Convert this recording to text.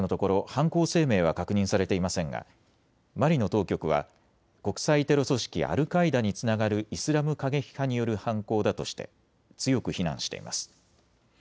犯行声明は確認されていませんがマリの当局は国際テロ組織アルカイダにつながるイスラム過激派による犯行だとして強く非難しています。